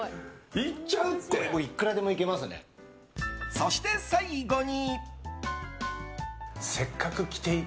そして最後に！